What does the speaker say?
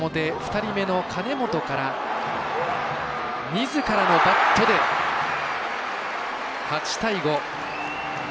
２人目の金本からみずからのバットで８対５。